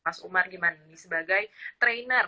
mas umar gimana nih sebagai trainer